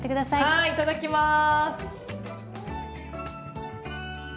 はいいただきます！